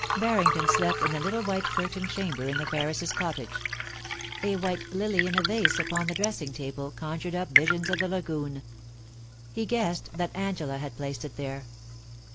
Barrington slept in a little white curtained chamber in the Ferris's cottage. A white lily in a vase upon the dressing table conjured up visions of the lagoon. He guessed that Angela had placed it there.